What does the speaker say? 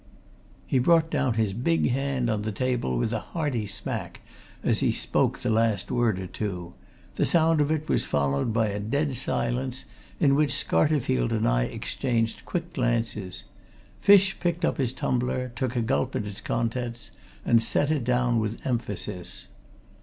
He brought down his big hand on the table with a hearty smack as he spoke the last word or two; the sound of it was followed by a dead silence, in which Scarterfield and I exchanged quick glances. Fish picked up his tumbler, took a gulp at its contents, and set it down with emphasis.